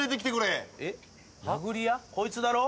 こいつだろ？